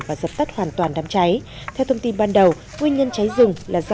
và dập tắt hoàn toàn đám cháy theo thông tin ban đầu nguyên nhân cháy rừng là do